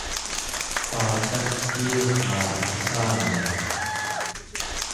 paatakiiraa assaliaq